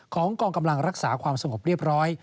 กองกำลังรักษาความสงบเรียบร้อย